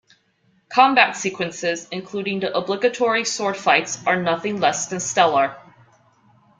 Combat sequences, including the obligatory sword fights, are nothing less than stellar.